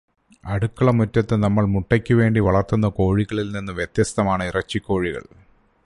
അടുക്കള മുറ്റത്തു നമ്മൾ മുട്ടയ്ക്ക് വേണ്ടി വളർത്തുന്ന കോഴികളിൽ നിന്ന് വ്യത്യസ്തമാണ് ഇറച്ചിക്കോഴികൾ.